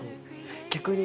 逆に。